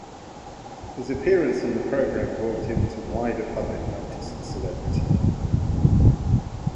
His appearance on the programme brought him to wider public notice and celebrity.